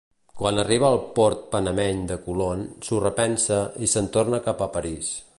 Quan arriba al port panameny de Colón s'ho repensa i se'n torna cap a París.